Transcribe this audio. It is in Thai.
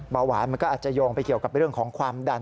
เบาหวานมันก็อาจจะโยงไปเกี่ยวกับเรื่องของความดัน